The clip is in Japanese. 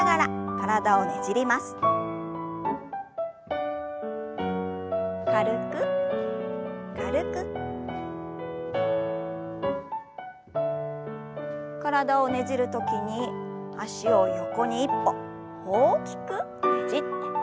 体をねじる時に脚を横に１歩大きくねじって戻します。